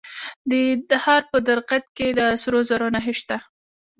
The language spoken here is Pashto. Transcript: د تخار په درقد کې د سرو زرو نښې شته.